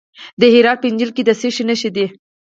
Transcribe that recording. د هرات په انجیل کې د څه شي نښې دي؟